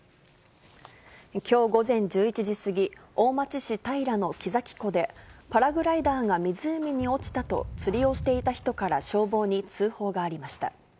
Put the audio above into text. きょう午前１１時過ぎ、大町市平の木崎湖で、パラグライダーが湖に落ちたと、釣りをしていた人から消防に通報がありました。